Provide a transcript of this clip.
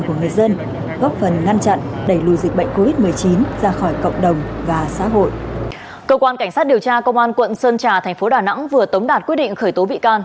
cơ quan cảnh sát điều tra công an quận sơn trà thành phố đà nẵng vừa tống đạt quyết định khởi tố bị can